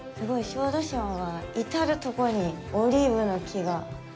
小豆島は至るとこにオリーブの木が。